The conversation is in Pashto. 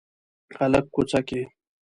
هلک کوڅه کې